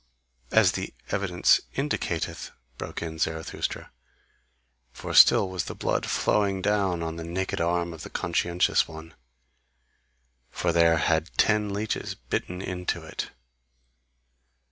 "As the evidence indicateth," broke in Zarathustra; for still was the blood flowing down on the naked arm of the conscientious one. For there had ten leeches bitten into it.